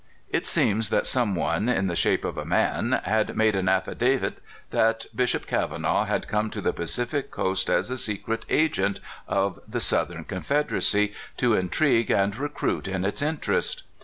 It seems that some one in the shape of a man had made an affidavit that Bishop Kavanaugh had come to the Pacific Coast as a secret agent of the Southern Confederacy, to intrigue and recruit in its interest.